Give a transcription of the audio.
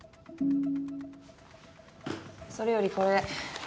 それよりこれ。